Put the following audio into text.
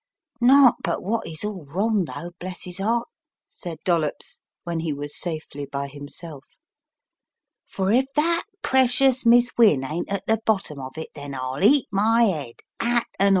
"Not but wot Vs all wrong though, bless 'is 'eart," said Dollops, when he was safely by himself, "for if that precious Miss Wynne ain't at the bottom of it then I'll eat my 'ead, 'at and all."